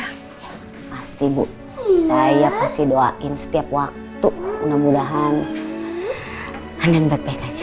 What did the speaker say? pasti bu saya pasti doain setiap waktu mudah mudahan andin berpeg aja